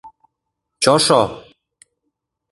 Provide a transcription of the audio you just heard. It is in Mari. Чошо!..